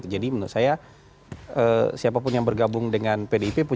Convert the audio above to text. jadi menurut saya siapapun yang bergabung dengan pdip punya kesan